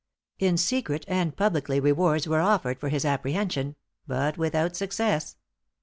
In secret and publicly rewards were offered for his apprehension; but without success.